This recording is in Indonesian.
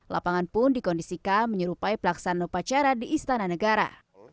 lapangan pun dikondisikan menyerupai pelaksanaan upacara di istana negara